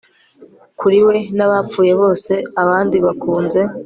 Kuri we nabapfuye bose abandi bakunze